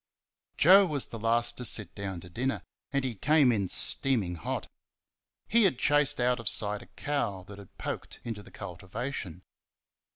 Joe was the last to sit down to dinner, and he came in steaming hot. He had chased out of sight a cow that had poked into the cultivation.